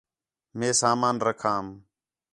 مئے سامان رکھام